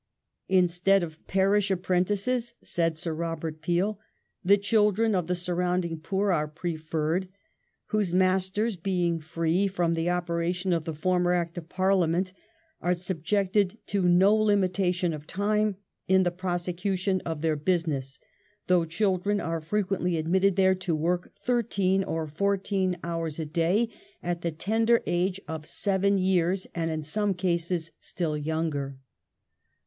" In stead of parish apprentices," said Sir Robert Peel, "the children of the surrounding poor are preferred, whose master, being free from the operation of the former Act of Parliament, are sub jected to no limitation of time in the prosecution of their business, though children are frequently admitted there to work thirteen or fourteen hours a day at the tender age of seven years, and in some cases still younger".